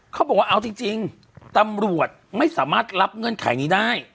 เขาบอกว่าเอาจริงตำรวจไม่สามารถรับเงื่อนไขนี้ได้